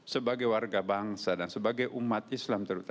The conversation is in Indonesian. sebagai warga bangsa dan sebagai umat islam